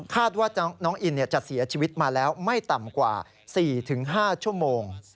ว่าน้องอินจะเสียชีวิตมาแล้วไม่ต่ำกว่า๔๕ชั่วโมง